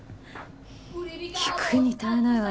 聞くに堪えないわね。